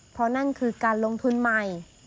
เพราะนั่นคือการลงทุนใหม่